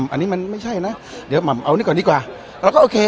อันนี้มันไม่ใช่นะเดี๋ยวเอานี่ก่อนดีกว่าเราก็โอเค